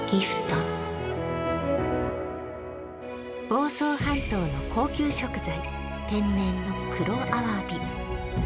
房総半島の高級食材、天然の黒あわび。